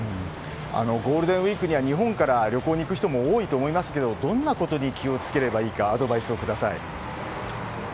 ゴールデンウィークには日本から旅行に行く人も多いと思いますがどんなことに気を付ければいいか